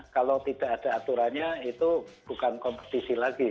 kalau tidak ada aturannya itu bukan kompetisi lagi